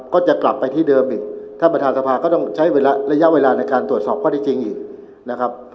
ก็จะกลับไปที่เดิมอีกท่านประธานสภาก็ต้องใช้ระยะเวลาในการตรวจสอบข้อได้จริงอีกนะครับ